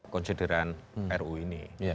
konsideran ru ini